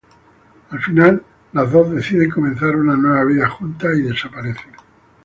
Al final las dos deciden comenzar una nueva vida juntas y desaparecen.